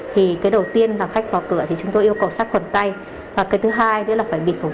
thì cái đầu tiên là khách vào cửa thì chúng tôi yêu cầu sát khuẩn tay và cái thứ hai nữa là phải bịt khẩu